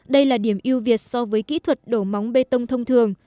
đây là điểm ưu việt so với kỹ thuật đổ móng bê tông thông thường